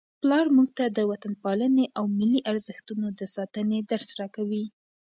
پلار موږ ته د وطنپالنې او ملي ارزښتونو د ساتنې درس راکوي.